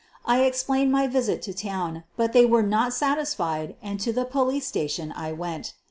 I explained my visit to town, but they were not satisfied and to the police station I went.